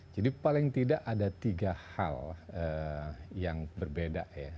jadi paling tidak ada tiga hal yang berbeda ya